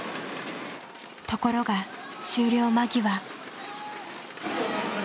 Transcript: ところが終了間際。